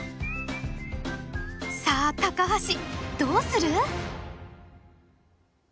さあ高橋どうする？